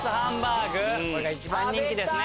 これが一番人気ですね。